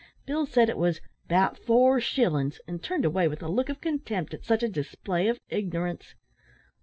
Bill said it was "'bout four shillin's," and turned away with a look of contempt at such a display of ignorance.